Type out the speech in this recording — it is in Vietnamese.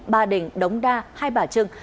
ba đình đống đa hai bà trưng